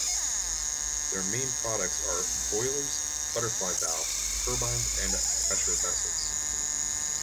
Their main products are boilers, butterfly valves, turbines, and pressure vessels.